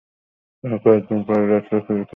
তার দিন কয়েক পরে যাচ্ছি ফিলাডেলফিয়া।